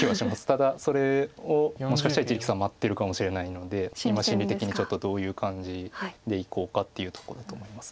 ただそれをもしかしたら一力さん待ってるかもしれないので今心理的にちょっとどういう感じでいこうかっていうとこだと思います。